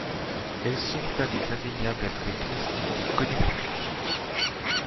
Elles sont un des indéniables attraits touristiques du Connemara.